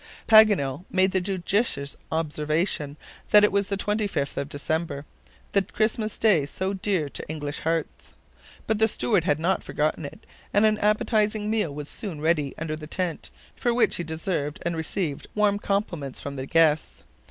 Paganel made the judicious observation that it was the 25th of December, the Christmas Day so dear to English hearts. But the steward had not forgotten it, and an appetizing meal was soon ready under the tent, for which he deserved and received warm compliments from the guests.